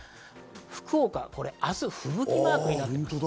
福岡、明日、吹雪マークになっています。